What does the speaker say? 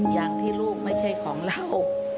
อย่างที่ลูกไม่ใช่ของเรา